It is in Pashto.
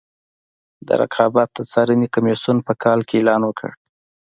د رقابت د څارنې کمیسیون په کال کې اعلان وکړ.